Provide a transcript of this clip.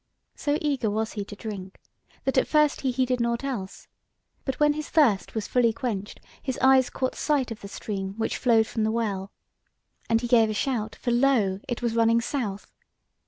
So eager was he to drink, that at first he heeded nought else; but when his thirst was fully quenched his eyes caught sight of the stream which flowed from the well, and he gave a shout, for lo! it was running south.